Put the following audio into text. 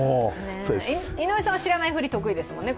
井上さんは知らないふり、得意ですもんね。